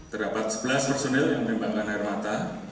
terdapat sebelas personil yang menembakkan air mata